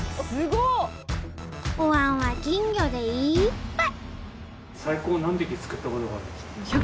おわんは金魚でいっぱい！